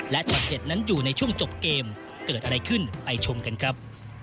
และช็อตเด็ดนั้นอยู่ในช่วงจบเกมเกิดอะไรขึ้นไปชมกันครับ